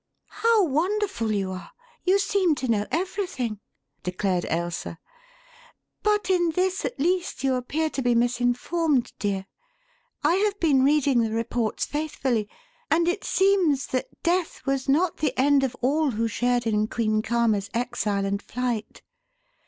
"How wonderful you are you seem to know everything!" declared Ailsa. "But in this at least you appear to be misinformed, dear. I have been reading the reports faithfully and it seems that death was not the end of all who shared in Queen Karma's exile and flight.